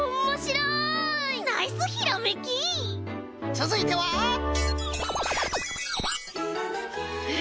つづいては。え！